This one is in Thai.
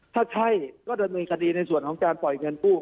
ถ้าใช่ก็เดินมีคาดีในส่วนของการปล่อยเงินปลูก